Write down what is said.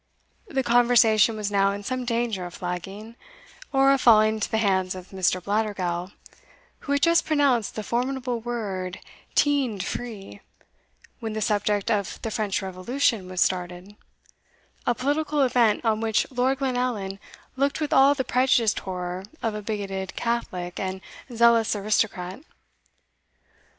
The conversation was now in some danger of flagging, or of falling into the hands of Mr. Blattergowl, who had just pronounced the formidable word, "teind free," when the subject of the French Revolution was started a political event on which Lord Glenallan looked with all the prejudiced horror of a bigoted Catholic and zealous aristocrat.